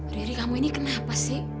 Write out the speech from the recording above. riri kamu ini kenapa sih